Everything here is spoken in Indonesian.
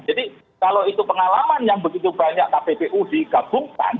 jadi kalau itu pengalaman yang begitu banyak kppu digabungkan